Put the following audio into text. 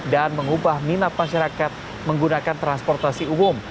dan mengubah minat masyarakat menggunakan transportasi umum